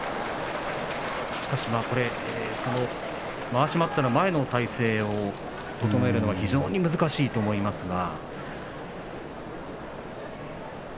まわし待ったの前の体勢に整えるのは非常に難しいと思いますが。